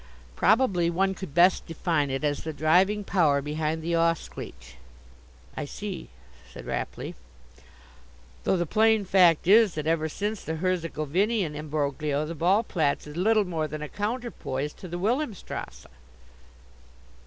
Probably one could best define it as the driving power behind the Ausgleich." "I see," said Rapley. "Though the plain fact is that ever since the Herzegovinian embroglio the Ballplatz is little more than a counterpoise to the Wilhelmstrasse."